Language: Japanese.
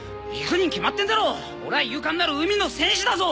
俺は勇敢なる海の戦士だぞ。